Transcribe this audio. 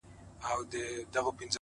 څه لېونۍ شاني گناه مي په سجده کي وکړه-